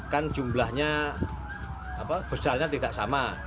kan jumlahnya besarnya tidak sama